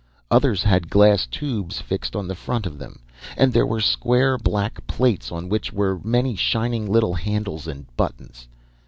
Others had glass tubes fixed on the front of them, and there were square black plates on which were many shining little handles and buttons.